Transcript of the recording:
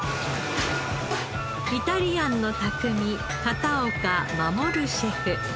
イタリアンの匠片岡護シェフ。